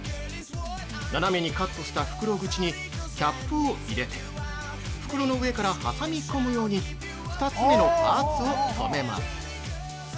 斜めにカットした袋口にキャップを入れて袋の上から挟み込むように２つ目のパーツをとめます。